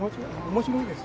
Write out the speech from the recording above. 面白いですね。